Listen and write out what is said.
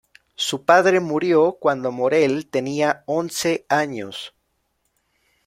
Su padre murió cuando Morel tenía once años.